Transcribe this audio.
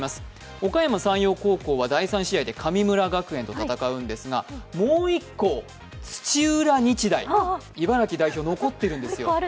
おかやま山陽高校は第３試合で神村学園と戦うんですがもう１校、土浦日大、茨城代表、残っているんですよ。